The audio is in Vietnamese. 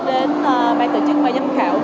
đến ban tự chức và giám khảo